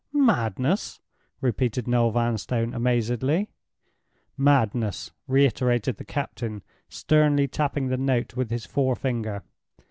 "Madness!" repeated Noel Vanstone, amazedly "Madness!" reiterated the captain, sternly tapping the note with his forefinger.